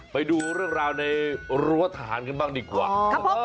ไปดูเรื่องราวในรั้วทหารกันบ้างดีกว่า